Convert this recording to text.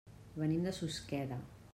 Venim de Susqueda.